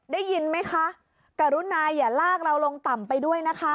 ได้ยินไหมคะกรุณาอย่าลากเราลงต่ำไปด้วยนะคะ